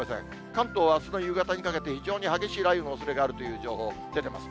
関東はあすの夕方にかけて、非常に激しい雷雨のおそれがあるという情報も出ています。